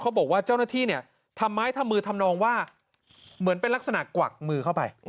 บอกว่าเจ้าหน้าที่เนี่ยทำไมทำมือทำนองว่าเหมือนเป็นลักษณะกวักมือเข้าไป